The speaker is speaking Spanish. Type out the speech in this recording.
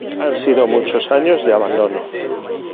Han sido muchos años de abandono.